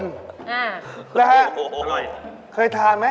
แล้วเคยทานไหม